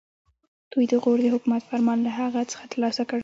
دوی د غور د حکومت فرمان له هغه څخه ترلاسه کړ.